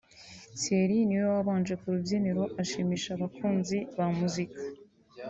Thieerry niwe wabanje ku rubyiniro ashimisha abakunzi ba muzika